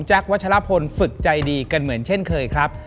วัชลพลฝึกใจดีกันเหมือนเช่นเคยครับ